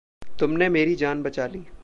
तुमने मेरी जान बचाली।